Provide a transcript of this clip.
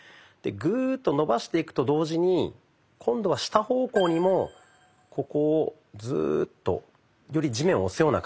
グーッと伸ばしていくと同時に今度は下方向にもここをズーッとより地面を押すような形ですね。